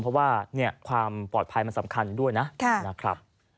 เพราะว่าความปลอดภัยมันสำคัญด้วยนะครับ